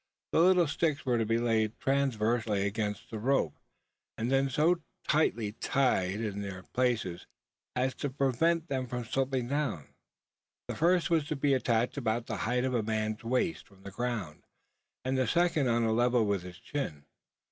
The little sticks were to be laid transversely against the rope, and then so tightly tied in their places, as to prevent them from slipping down. The first was to be attached about the height of a man's waist from the ground; and the second on a level with his chin.